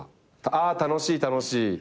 あ楽しい楽しい。